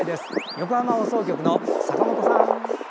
横浜放送局の坂本さん。